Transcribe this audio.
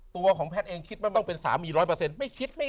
ตัวของแพทย์เองคิดว่าต้องเป็นสามีร้อยเปอร์เซ็นต์ไม่คิดไม่